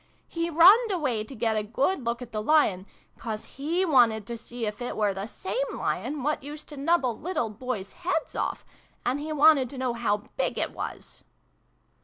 " He runned away to get a good look at the Lion ; 'cause he wanted to see if it were the same Lion what used to nubble little Boys' heads off; and he wanted to know how big it was